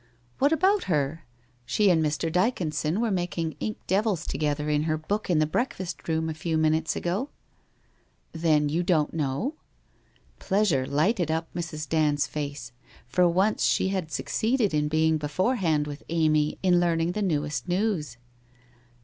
1 What about her ? She and Mr. Dyconson were mak ing ink devils together in her book in the breakfast room a few minutes ago ?' 'Then, you don't know?' Pleasure lighted up Mrs. Dand's face. For once she had succeeded in being be forehand with Amy in learning the newest news.